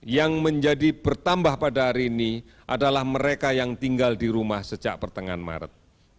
yang menjadi bertambah pada hari ini adalah mereka yang tinggal di rumah sejak pertengahan maret